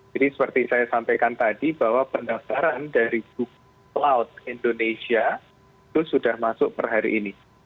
jadi seperti saya sampaikan tadi bahwa pendaftaran dari google cloud indonesia itu sudah masuk per hari ini